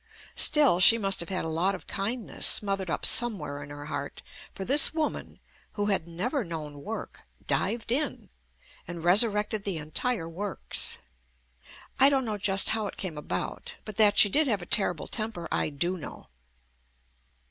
Still she must have had a lot of kindness smothered up somewhere in her heart, for this woman, who had never known work, dived in i , and resurrected the entire works. I don't know just how it came about, but that she did have a terrible temper I do know.